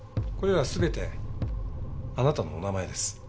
これら全てあなたのお名前です。